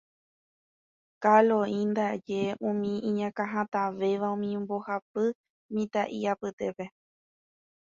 Kalo'i ndaje upe iñakãhatãvéva umi mbohapy mitã'i apytépe.